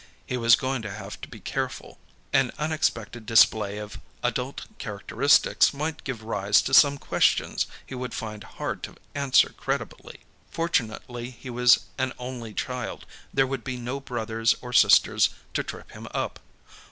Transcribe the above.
He was going to have to be careful. An unexpected display of adult characteristics might give rise to some questions he would find hard to answer credibly. Fortunately, he was an only child; there would be no brothers or sisters to trip him up.